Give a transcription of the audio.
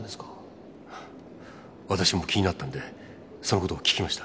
私も気になったんでその事を聞きました。